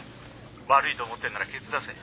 ☎悪いと思ってんならケツ出せ。